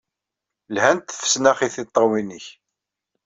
Lhant tfesnax i tiṭṭawin-nnek.